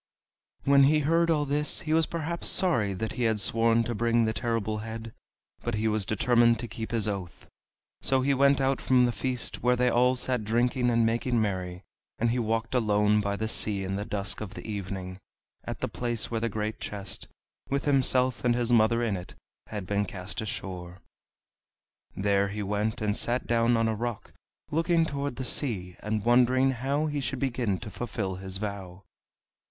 When he heard all this he was perhaps sorry that he had sworn to bring the Terrible Head, but he was determined to keep his oath. So he went out from the feast, where they all sat drinking and making merry, and he walked alone beside the sea in the dusk of the evening, at the place where the great chest, with himself and his mother in it, had been cast ashore. There he went and sat down on a rock, looking toward the sea, and wondering how he should begin to fulfill his vow.